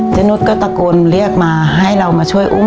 นุษย์ก็ตะโกนเรียกมาให้เรามาช่วยอุ้ม